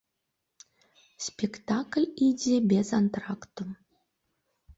Спектакль ідзе без антракту.